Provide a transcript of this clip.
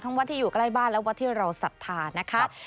ตามวัดไกลบ้านและวัดที่เราศรัทธานะคะ